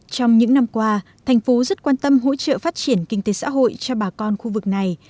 trong những năm qua thành phố rất quan tâm hỗ trợ phát triển kinh tế xã hội cho bà con khu vực này